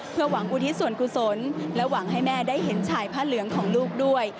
เพื่อหวังอุทิศส่วนกุศลและหวังให้แม่ได้เห็นชายผ้าเหลืองของลูกด้วย